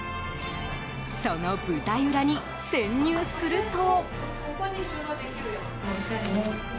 その舞台裏に潜入すると。